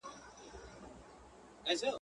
ستا په کوڅه کي له اغیار سره مي نه لګیږي.